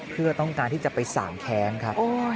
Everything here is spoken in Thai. เพื่อต้องการที่จะไปสางแค้นครับ